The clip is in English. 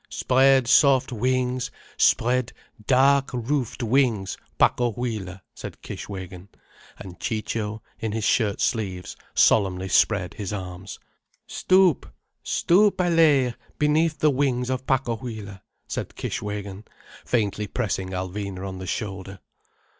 "Spread soft wings, spread dark roofed wings, Pacohuila," said Kishwégin, and Ciccio, in his shirt sleeves solemnly spread his arms. "Stoop, stoop, Allaye, beneath the wings of Pacohuila," said Kishwégin, faintly pressing Alvina on the shoulder.